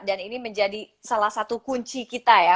dan ini menjadi salah satu kunci kita ya